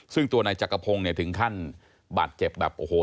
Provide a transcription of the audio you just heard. ซึ่งตัวนายจักรพงศ์เนี่ยถึงขั้นบาดเจ็บแบบโอ้โห